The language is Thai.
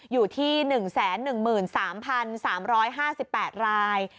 อยู่ที่๑๑๓๓๕๘ราย